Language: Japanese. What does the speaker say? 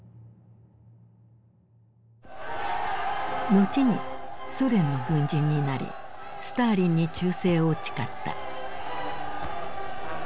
後にソ連の軍人になりスターリンに忠誠を誓った。